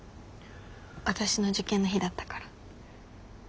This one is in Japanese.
私の受験の日だったから。